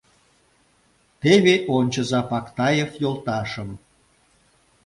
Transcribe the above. — Теве ончыза Пактаев йолташым.